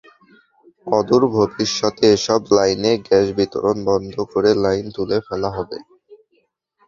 অদূর ভবিষ্যতে এসব লাইনে গ্যাস বিতরণ বন্ধ করে লাইন তুলে ফেলা হবে।